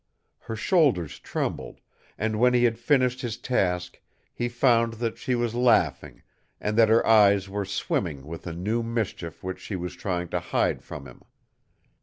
Her shoulders trembled; and when he had finished his task, he found that she was laughing, and that her eyes were swimming with a new mischief which she was trying to hide from him.